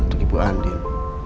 untuk ibu andin